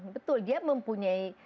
betul dia mempunyai